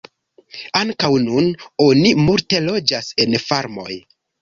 Ankaŭ nun oni multe loĝas en farmoj.